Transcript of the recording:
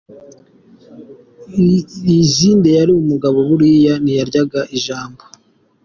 Lizinde yari umugabo buriya, ntiyaryaga ijambo.